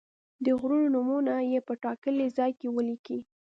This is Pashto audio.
د غرونو نومونه یې په ټاکلي ځای کې ولیکئ.